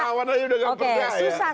wartawan aja udah gak punya ya